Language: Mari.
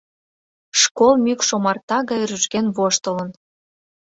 Школ мӱкш омарта гай рӱжген воштылын.